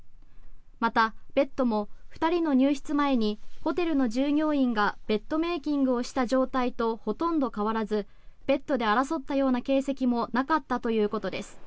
また、ベッドも２人の入室前にホテルの従業員がベッドメイキングをした状態とほとんど変わらずベッドで争ったような形跡もなかったということです。